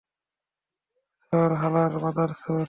সর, হালার মাদারচোদ!